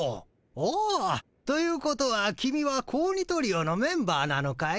おお！ということは君は子鬼トリオのメンバーなのかい？